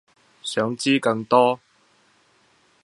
想知更多